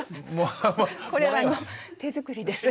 これは手作りです。